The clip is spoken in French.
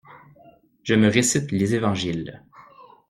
Je me récite les évangiles.